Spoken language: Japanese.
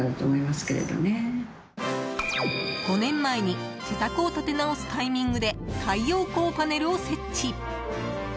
５年前に自宅を建て直すタイミングで太陽光パネルを設置。